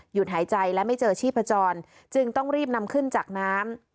หายใจและไม่เจอชีพจรจึงต้องรีบนำขึ้นจากน้ำ